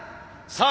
さあ